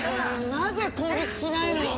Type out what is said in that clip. なぜ攻撃しないの？